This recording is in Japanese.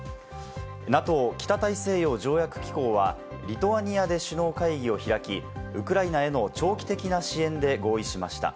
ＮＡＴＯ＝北大西洋条約機構はリトアニアで首脳会議を開き、ウクライナへの長期的な支援で合意しました。